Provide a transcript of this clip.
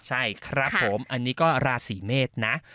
ใช่ครับผมอันนี้ก็ราศีเมษนะ